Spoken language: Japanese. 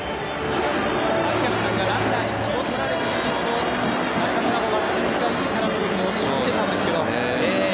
槙原さんがランナーに気をとられていると、中村もバッティングがいいからとおっしゃっていたんですけど。